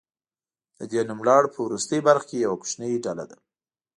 د دې نوملړ په وروستۍ برخه کې یوه کوچنۍ ډله ده.